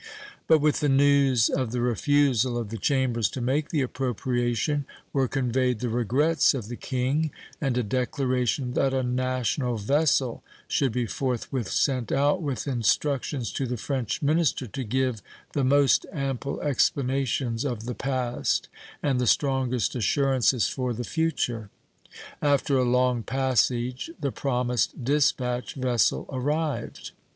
But with the news of the refusal of the Chambers to make the appropriation were conveyed the regrets of the King and a declaration that a national vessel should be forthwith sent out with instructions to the French minister to give the most ample explanations of the past and the strongest assurances for the future. After a long passage the promised dispatch vessel arrived.